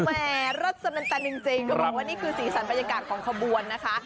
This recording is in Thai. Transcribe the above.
แหมรสสำนักแปลงจริงก็บอกว่านี่คือสีสันบรรยากาศของกระบวนนะคะ